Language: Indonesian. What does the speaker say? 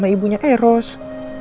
mak emang ke rumah